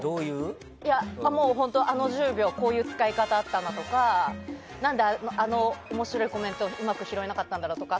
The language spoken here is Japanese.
あの１０秒こういう使い方あったなとか何であの面白いコメントをうまく拾えなかったんだろうとか